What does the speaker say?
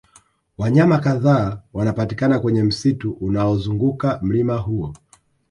wanyama kadhaa wanapatikana kwenye msitu unaozunguka mlima huo